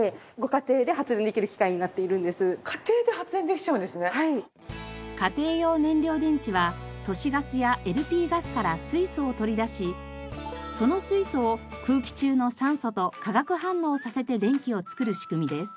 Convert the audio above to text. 家庭用燃料電池は都市ガスやＬＰガスから水素を取り出しその水素を空気中の酸素と化学反応させて電気を作る仕組みです。